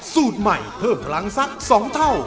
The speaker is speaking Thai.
สูตรใหม่เพิ่มพลังสัก๒เท่า